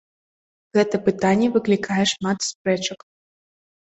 Гэта пытанне выклікае шмат спрэчак.